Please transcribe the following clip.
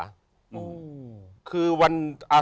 ขอบคุณครับ